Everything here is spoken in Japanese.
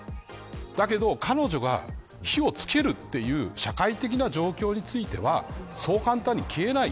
だけど、彼女が火を付けるという社会的な状況についてはそう簡単に消えない。